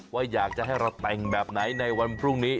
ว่าอยากจะให้เราแต่งแบบไหนในวันพรุ่งนี้